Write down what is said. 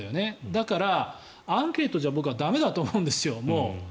だから、アンケートじゃ僕は駄目だと思うんですよ。